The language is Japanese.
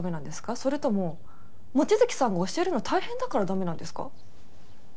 それとも望月さんが教えるの大変だから駄目なんですか？